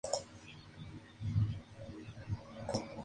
Twice ganó su primer premio en programa de música en "M!